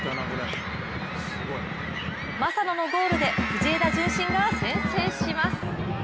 正野のゴールで藤枝順心が先制します。